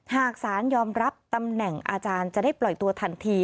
หากสารยอมรับตำแหน่งอาจารย์จะได้ปล่อยตัวทันที